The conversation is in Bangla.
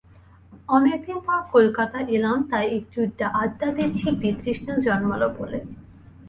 অনেকদিন পরে কলকাতা এলাম, তাই একটু আড্ডা দিচ্ছি বিতৃষ্ণা জন্মাল বলে।